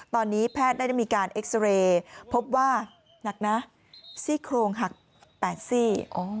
ตอนนี้แพทย์ได้มีการเอ็กซาเรย์พบว่าหนักนะซี่โครงหัก๘ซี่